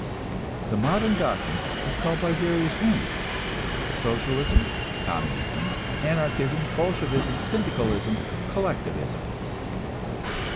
The modern doctrine is called by various names: Socialism, Communism, Anarchism, Bolshevism, Syndicalism, Collectivism.